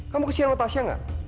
kamu kesian sama tasya nggak